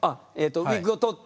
ウィッグを取って？